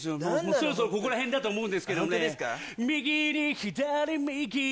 そろそろここら辺だと思うんですけどもね。